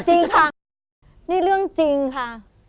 จริงค่ะนี่เรื่องจริงค่ะ